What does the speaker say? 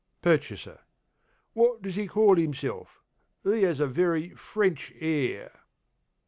PURCHASER: What does he call himself? he has a very French air.